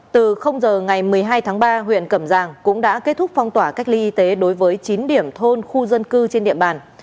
từ giờ ngày một mươi hai tháng ba huyện cẩm giang cũng đã kết thúc phong tỏa cách ly y tế đối với chín điểm thôn khu dân cư trên địa bàn